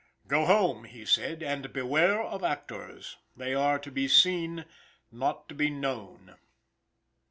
"Go home," he said, "and beware of actors. They are to be seen, not to be known."